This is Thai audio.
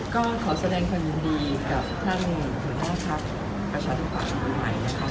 ก็ขอแสดงความยุ่นดีกับท่านหัวหน้าทัพประชาธุภาคภูมิใหม่